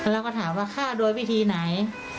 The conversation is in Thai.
แล้วถามว่าฆ่าโดยวิธีไหน